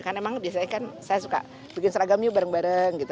karena emang biasanya kan saya suka bikin seragamnya bareng bareng gitu